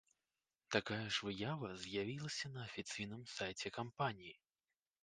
Такая ж выява з'явілася на афіцыйным сайце кампаніі.